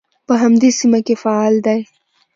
په همدې سیمه کې فعال دی.